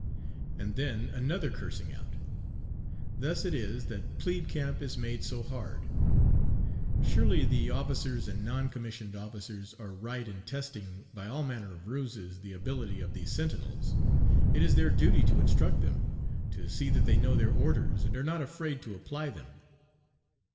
And then another cursing out. Thus it is that plebe camp is made so hard. Surely the officers and non commissioned officers are right in testing by all manner of ruses the ability of the sentinels. It is their duty to instruct them, to see that they know their orders, and are not afraid to apply them.